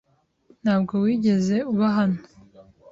Ntabwo wigeze uba hano.